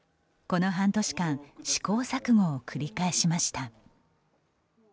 この半年間試行錯誤を繰り返しました。